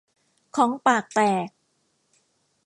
ฆ้องปากแตก